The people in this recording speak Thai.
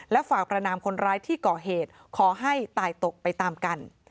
และฝากประนามคนร้ายที่ก่อเหตุขอให้ตายตกไปตามกัน